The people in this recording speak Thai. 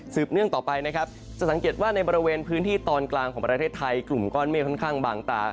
เนื่องต่อไปนะครับจะสังเกตว่าในบริเวณพื้นที่ตอนกลางของประเทศไทยกลุ่มก้อนเมฆค่อนข้างบางตา